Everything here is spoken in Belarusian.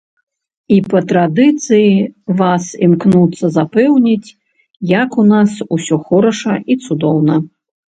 І па традыцыі вас імкнуцца запэўніць, як у нас усё хораша і цудоўна.